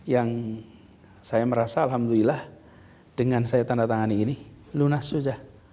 yang saya merasa alhamdulillah dengan saya tanda tangan ini lunas saja